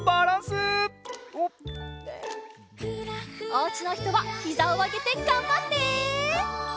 おうちのひとはひざをあげてがんばって！